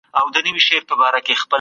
تېروتنه د انسان صفت دی.